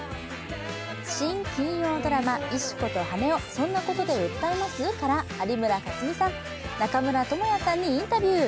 新金曜ドラマ」「石子と羽男−そんなコトで訴えます？−」から有村架純さん、中村倫也さんにインタビュー。